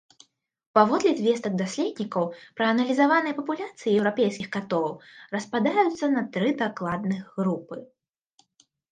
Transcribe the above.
Паводле звестак даследнікаў, прааналізаваныя папуляцыі еўрапейскіх катоў распадаюцца на тры дакладных групы.